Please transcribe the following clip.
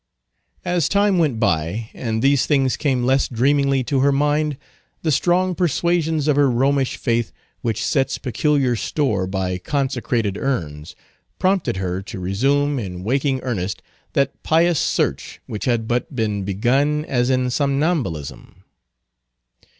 As time went by, and these things came less dreamingly to her mind, the strong persuasions of her Romish faith, which sets peculiar store by consecrated urns, prompted her to resume in waking earnest that pious search which had but been begun as in somnambulism.